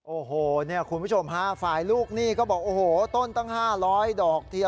โอ้โหเนี่ยคุณผู้ชมฮะฝ่ายลูกหนี้ก็บอกโอ้โหต้นตั้ง๕๐๐ดอกที